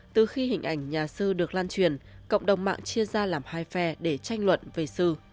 từ khi hình ảnh nhà sư được lan truyền cộng đồng mạng chia ra làm hai phe để tranh luận về sư